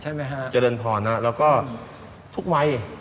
ใช่ไหมฮะเจริญพรนะแล้วก็ทุกวัย